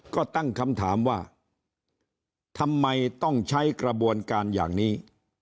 ก็ตั้งคำถามว่าทำไมต้องใช้กระบวนการอย่างนี้